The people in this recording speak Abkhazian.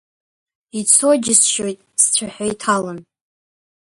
Ицо џьысшьоит сцәаҳәа иҭалан…